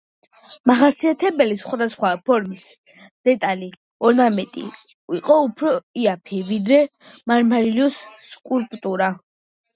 მახასიათებელი სხვადასხვა ფორმის დეტალები, ორნამენტები იყო უფრო იაფი, ვიდრე მარმარილოს სკულპტურა.